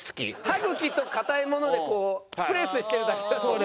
歯茎と硬いものでこうプレスしてるだけだもんね。